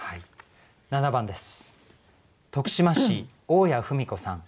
７番です。